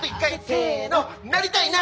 せのなりたいな！